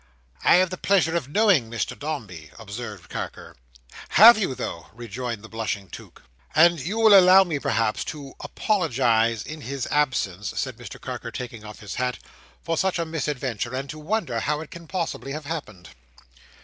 "I have the pleasure of knowing Mr Dombey," observed Carker. "Have you though?" rejoined the blushing Took "And you will allow me, perhaps, to apologise, in his absence," said Mr Carker, taking off his hat, "for such a misadventure, and to wonder how it can possibly have happened."